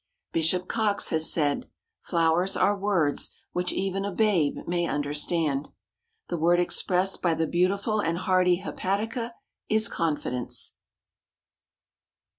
Bishop Coxe has said: Flowers are words Which even a babe may understand. The word expressed by the beautiful and hardy Hepatica is confidence.